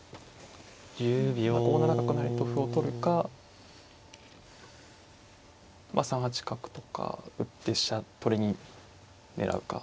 ５七角成と歩を取るか３八角とか打って飛車取りに狙うか。